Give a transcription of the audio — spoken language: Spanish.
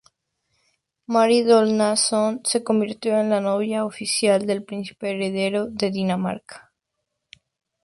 Mary Donaldson se convirtió en la novia oficial del príncipe heredero de Dinamarca.